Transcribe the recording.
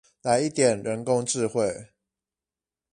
來一點人工智慧